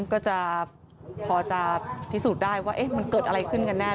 ก็จะพอจะพิสูจน์ได้ว่ามันเกิดอะไรขึ้นกันแน่